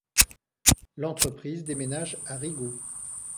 L'entreprise déménage à Rigaud.